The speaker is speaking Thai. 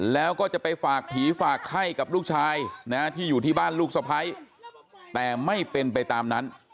แล้วก็จะไปฝากผีฝากไข้กับลูกชายนะที่อยู่ที่บ้านลูกสะพ้ายแต่ไม่เป็นไปตามนั้น